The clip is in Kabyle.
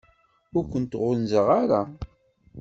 Ur kent-ɣunzaɣ ara.